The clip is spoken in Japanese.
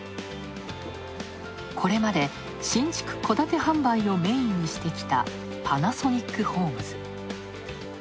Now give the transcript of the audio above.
これまで新築戸建て販売をメインにしてきたパナソニックホームズ。